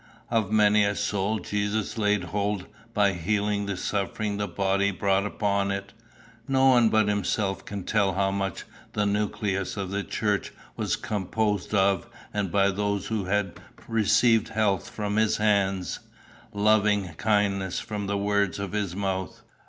Of many a soul Jesus laid hold by healing the suffering the body brought upon it. No one but himself can tell how much the nucleus of the church was composed of and by those who had received health from his hands, loving kindness from the word of his mouth.